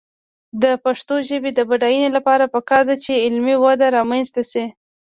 د پښتو ژبې د بډاینې لپاره پکار ده چې علمي وده رامنځته شي.